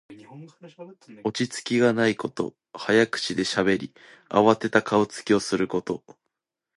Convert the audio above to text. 落ち着きがないこと。早口でしゃべり、あわてた顔つきをすること。